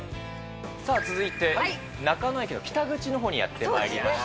さあ、続いて中野駅の北口のほうにやってまいりました。